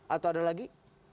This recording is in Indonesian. atau ada lagi